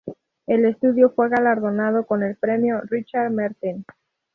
El estudio fue galardonado con el premio Richard-Merten.